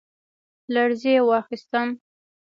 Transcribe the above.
لـړزې واخيسـتم ،